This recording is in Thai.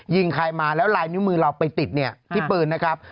ใครมาแล้วลายนิ้วมือเราไปติดเนี่ยที่ปืนนะครับ